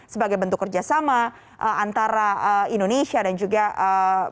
sebagai bentuk kerjasama antara indonesia dan juga pihak dari tesla dan juga spacex ini